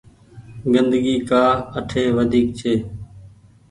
گندگي ڪآ اٺي وڍيڪ ڇي۔